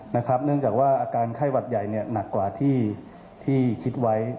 เนื่องจากว่าอาการไข้หวัดใหญ่หนักกว่าที่คิดไว้